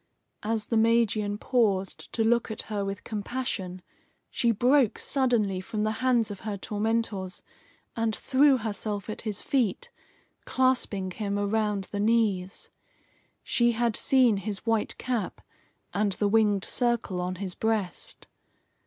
As the Magian paused to look at her with compassion, she broke suddenly from the hands of her tormentors, and threw herself at his feet, clasping him around the knees. She had seen his white cap and the winged circle on his breast.